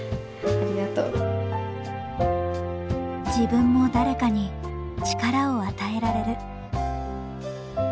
自分も誰かに力を与えられる。